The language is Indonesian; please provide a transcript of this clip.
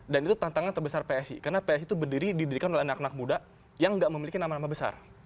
dan itu tantangan terbesar psi karena psi itu berdiri didirikan oleh anak anak muda yang nggak memiliki nama nama besar